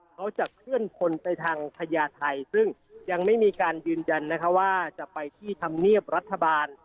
เขาจะเคลื่อนคนไปทางพญาไทยซึ่งยังไม่มีการยืนยันนะคะว่าจะไปที่ธรรมเนียบรัฐบาล